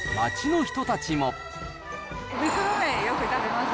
袋麺、よく食べます。